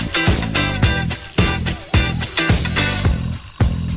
ครับผม